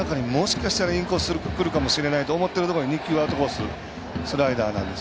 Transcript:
頭の中に、もしかしたらインコースくるかもしれないと思っているところに２球、アウトコース